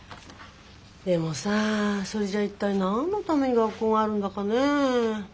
でもさあそれじゃ一体何のために学校があるんだかねえ。